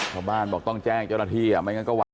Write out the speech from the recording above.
ชาวบ้านบอกต้องแจ้งเจ้าหน้าที่ไม่งั้นก็หวั